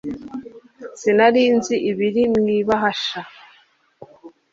Sinari nzi ibiri mu ibahasha